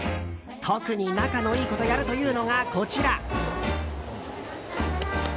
特に仲の良い子とやるというのがこちら。